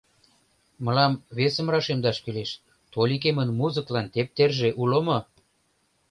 Мылам весым рашемдаш кӱлеш, Толикемын музыклан тептерже уло мо?